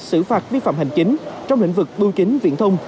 xử phạt vi phạm hành chính trong lĩnh vực bưu kính viện thông